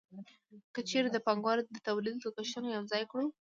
که چېرې د پانګوال د تولید لګښتونه یوځای کړو